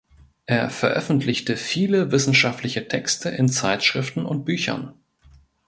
Er veröffentlichte viele wissenschaftliche Texte in Zeitschriften und Büchern.